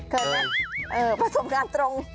เคยเออประสบงานตรง